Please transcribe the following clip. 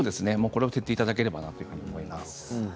これをやっていただければと思います。